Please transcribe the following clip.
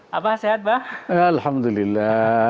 bapak saya ada